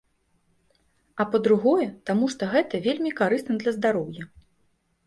А па-другое, таму што гэта вельмі карысна для здароўя!